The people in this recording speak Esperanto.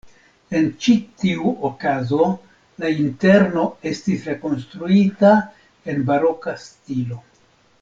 En ĉi tiu okazo la interno estis rekonstruita en baroka stilo.